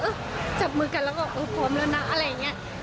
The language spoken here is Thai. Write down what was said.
จับมือกันแล้วก็เออพร้อมแล้วนะอะไรอย่างนี้